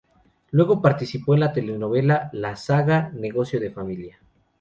Luego participó en la telenovela "La Saga, negocio de familia".